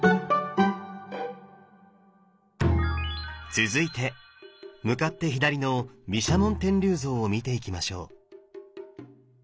続いて向かって左の毘沙門天立像を見ていきましょう。